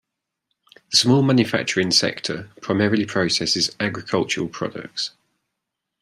The small manufacturing sector primarily processes agricultural products.